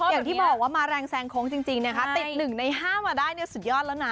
อย่างที่บอกว่ามารังแซงโค้งจริงติดหนึ่งในห้ามาได้สุดยอดแล้วนะ